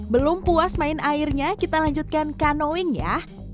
belum puas main airnya kita lanjutkan kanoing ya